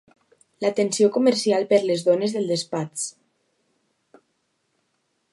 L'atenció comercial, per les dones del despatx